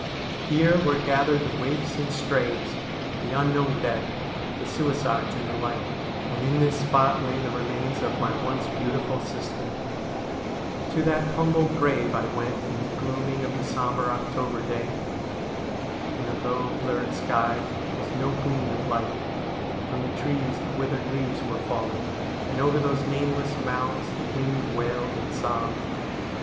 Here were gathered the waifs and strays ; the unknown dead ; the suicides, and the like ; and in this spot lay the remains of my once beautiful sister. To that humble grave I went in the gloaming of the sombre October day. In the low, blurred sky was no gleam of light ; from the trees the withered leaves were falling, and over those nameless mounds the wind wailed and sobbed.